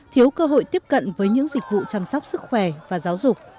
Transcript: thiếu cơ hội tiếp cận với những dịch vụ chăm sóc sức khỏe và giáo dục